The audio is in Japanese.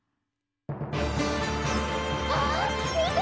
あっみて！